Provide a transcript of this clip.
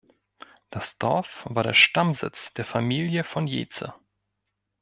Das Dorf war der Stammsitz der Familie von Jeetze.